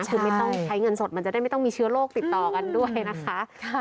คือไม่ต้องใช้เงินสดมันจะได้ไม่ต้องมีเชื้อโรคติดต่อกันด้วยนะคะ